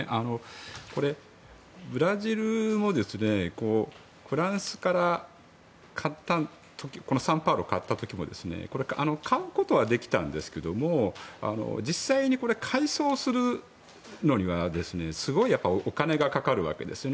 これ、ブラジルもフランスから「サンパウロ」を買った時も買うことはできたんですけど実際に改装するのにはすごいお金がかかるわけですよね。